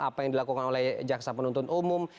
apa yang dilakukan oleh jaksa penuntut umum